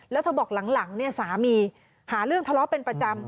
แล้วเธอบอกหลังเนี่ยสามีหาเรื่องทะเลาะเป็นประจำ